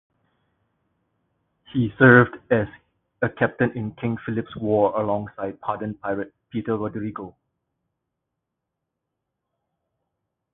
He served as a captain in King Philip's War alongside pardoned pirate Peter Roderigo.